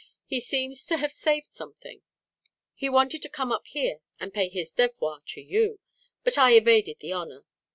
He seems to have saved something. He wanted to come up here and pay his devoirs to you, but I evaded the honour.